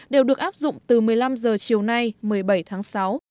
đều được áp dụng từ một mươi năm h chiều nay một mươi bảy tháng sáu